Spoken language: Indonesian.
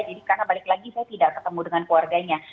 jadi karena balik lagi saya tidak ketemu dengan keluarganya